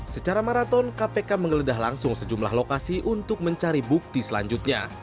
secara maraton kpk menggeledah langsung sejumlah lokasi untuk mencari bukti selanjutnya